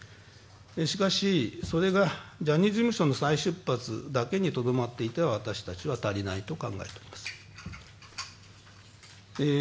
しかし、それがジャニーズ事務所の再出発だけにとどまっていては私たちは足りないと考えております。